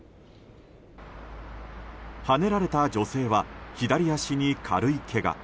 はねられた女性は左足に軽いけが。